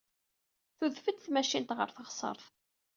Tudef-d tmacint ɣer teɣsert.